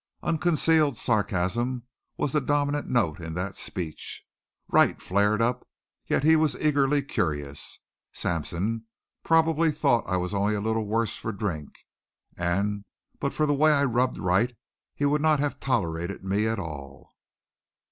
Unconcealed sarcasm was the dominant note in that speech. Wright flared up, yet he was eagerly curious. Sampson, probably, thought I was only a little worse for drink, and but for the way I rubbed Wright he would not have tolerated me at all.